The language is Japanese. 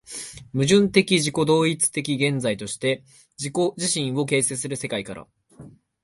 矛盾的自己同一的現在として自己自身を形成する世界から、